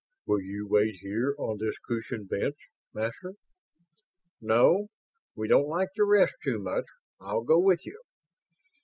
Will you wait here on this cushioned bench, Master?" "No, we don't like to rest too much. I'll go with you."